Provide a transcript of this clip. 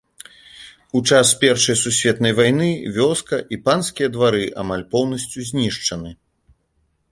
У час першай сусветнай вайны вёска і панскія двары амаль поўнасцю знішчаны.